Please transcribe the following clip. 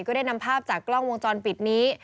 ก็ได้นำภาพจากกล้องวงจรปิดนี้